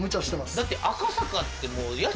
だって。